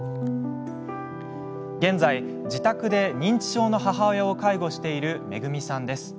現在、自宅で認知症の母親を介護しているめぐみさんです。